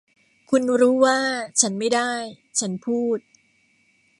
คุณรู้ว่าฉันไม่ได้ ฉันพูด